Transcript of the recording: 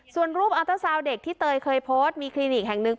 ส่วนรูปอัลเตอร์ซาวน์เด็กที่เตยเคยโพสต์มีคลินิกแห่งหนึ่ง